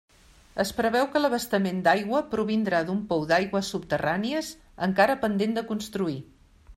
Es preveu que l'abastament d'aigua provindrà d'un pou d'aigües subterrànies encara pendent de construir.